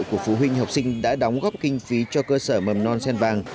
của phụ huynh học sinh đã đóng góp kinh phí cho cơ sở mầm non sen vàng